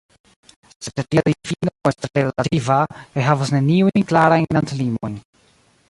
Sed tia difino estas tre relativa, kaj havas neniujn klarajn landlimojn.